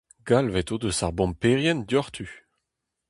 Galvet o deus ar bomperien diouzhtu.